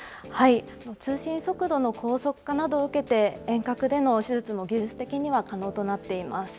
通信速度の高速化などを受けて遠隔での手術も技術的には可能となっています。